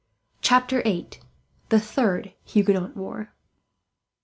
Chapter 8: The Third Huguenot War.